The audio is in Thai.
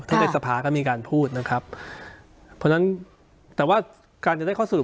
ในสภาก็มีการพูดนะครับเพราะฉะนั้นแต่ว่าการจะได้ข้อสรุป